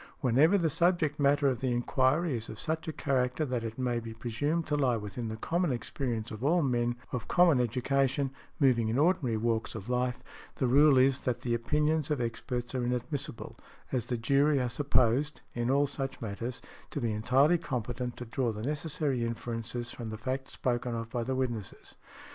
Whenever the subject matter of the enquiry is of such a character that it may be presumed to lie within the common experience of all men of common education, moving in ordinary walks of life, the rule is that the opinions of experts are inadmissible, as the jury are supposed—in all such matters—to be entirely competent to draw the necessary inferences from the facts spoken of by the witnesses .